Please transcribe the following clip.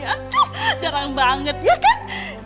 aduh jarang banget ya kan